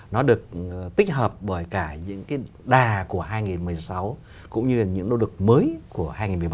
nó được tích hợp bởi cả những cái đà của hai nghìn một mươi sáu cũng như là những nỗ lực mới của hai nghìn một mươi bảy